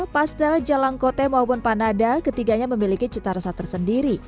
pastel jalangkote maupun panada ketiganya memiliki cita rasa tersendiri